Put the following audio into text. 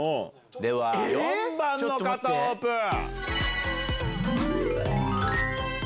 では４番の方オープン！